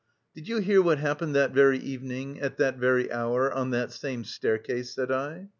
"Did you hear what happened that very evening, at that very hour, on that same staircase?" said I.